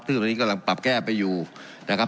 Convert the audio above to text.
ซึ่งตอนนี้กำลังปรับแก้ไปอยู่นะครับ